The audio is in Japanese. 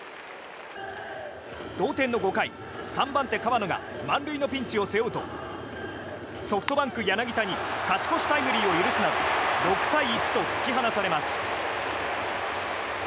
同点の５回、３番手、河野が満塁のピンチを背負うとソフトバンク柳田に勝ち越しタイムリーを許すなど６対１と突き放されます。